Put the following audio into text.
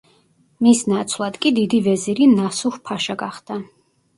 მის ნაცვლად კი დიდი ვეზირი ნასუჰ-ფაშა გახდა.